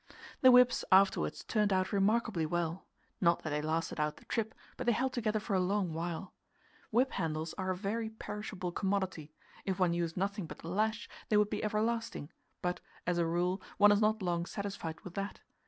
The whips afterwards turned out remarkably well not that they lasted out the trip, but they held together for a long while. Whip handles are a very perishable commodity; if one used nothing but the lash, they would be everlasting, but, as a rule, one is not long satisfied with that.